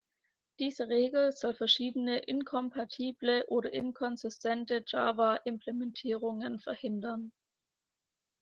Diese Regel soll verschiedene inkompatible oder inkonsistente Java-Implementierungen verhindern.